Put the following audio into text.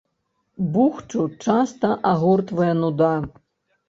Бухчу часта агортвае нуда.